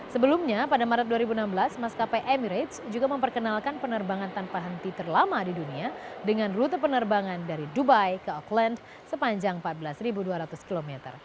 sebelumnya pada maret dua ribu enam belas maskapai emirates juga memperkenalkan penerbangan tanpa henti terlama di dunia dengan rute penerbangan dari dubai ke auckland sepanjang empat belas dua ratus km